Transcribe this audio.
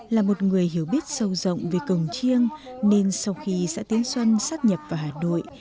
là một người hiểu biết sâu rộng về cồng chiêng nên sau khi xã tiến xuân sắp nhập vào hà nội